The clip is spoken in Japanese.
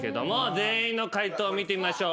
全員の解答を見てみましょう。